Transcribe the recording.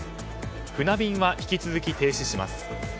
船便は引き続き停止します。